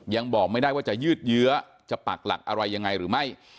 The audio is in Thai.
ยังบอกไม่ได้ว่าจะยืดเยื้อจะปากหลักอะไรยังไงหรือไม่